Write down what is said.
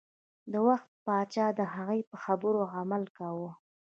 د وخت پاچا د هغې په خبرو عمل کاوه.